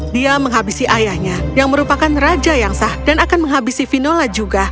dia menghabisi ayahnya yang merupakan raja yang sah dan akan menghabisi vinola juga